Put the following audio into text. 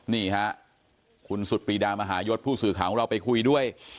นี่ฮะคุณสุดปรีดามหายศผู้สื่อข่าวของเราไปคุยด้วย